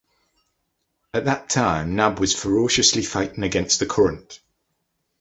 At that time, Nab was ferociously fighting against the current.